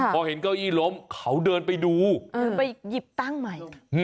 พอเห็นเก้าอี้ล้มเขาเดินไปดูไปหยิบตั้งใหม่